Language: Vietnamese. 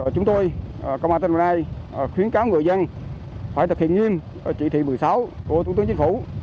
chúng tôi công an tân đồng nai khuyến cáo người dân phải thực hiện nghiêm chỉ thị một mươi sáu của thủ tướng chính phủ